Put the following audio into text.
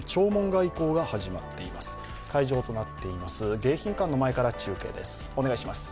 会場となっている迎賓館の前から中継です。